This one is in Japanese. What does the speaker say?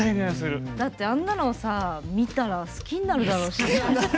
だって、あんなの見たら好きになるだろ。